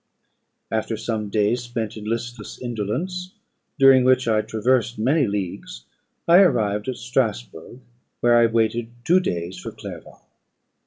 After some days spent in listless indolence, during which I traversed many leagues, I arrived at Strasburgh, where I waited two days for Clerval.